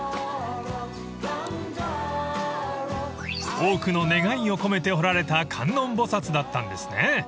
［多くの願いを込めて彫られた観音菩薩だったんですね］